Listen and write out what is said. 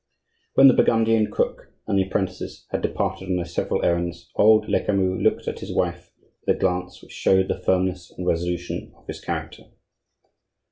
When the Burgundian cook and the apprentices had departed on their several errands, old Lecamus looked at his wife with a glance which showed the firmness and resolution of his character.